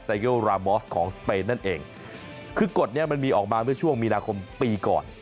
โยรามอสของสเปนนั่นเองคือกฎเนี้ยมันมีออกมาเมื่อช่วงมีนาคมปีก่อน